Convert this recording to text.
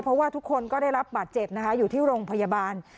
เพราะว่าทุกคนก็ได้รับบาดเจ็บนะคะอยู่ที่โรงพยาบาล